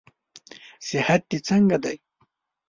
صحت دې څنګه دئ؟